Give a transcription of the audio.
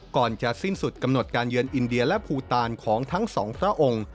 ก่อนจะสิ้นสุดกำหนดการเยือนอินเดียและภูตาลของทั้งสองพระองค์